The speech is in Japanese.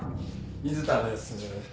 水田です。